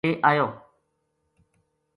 لے آیو